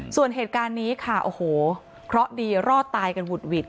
ส่วนเหตุการณ์นี้ค่ะโอ้โหเคราะห์ดีรอดตายกันหุดหวิด